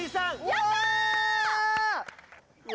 やったー！